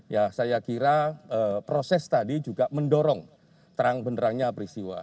ya saya kira proses tadi juga mendorong terang benerangnya peristiwa